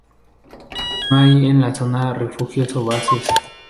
No hay en la zona refugios o bases.